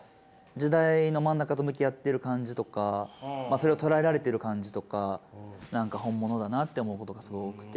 時代の真ん中と向き合ってる感じとかそれを捉えられている感じとか何か本物だなって思うことがすごい多くて。